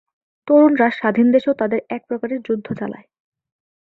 তরুণরা স্বাধীন দেশেও তাদের এক প্রকারের যুদ্ধ চালায়।